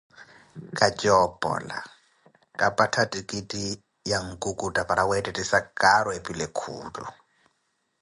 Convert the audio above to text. Kajoopola, kapattha ttikitti ya nkukutta para weettettisa caaro epile kuulo.